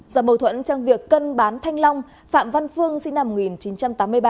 do mâu thuẫn trong việc cân bán thanh long phạm văn phương sinh năm một nghìn chín trăm tám mươi ba